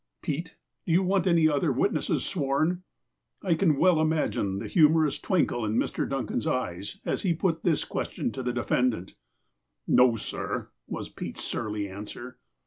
'' Pete, do you want any other witnesses sworn ?'' I can well imagine the humorous twinkle in IVIr. Dun can's eyes as he put this question to the defendant. "No, sir," was Pete's surly answer.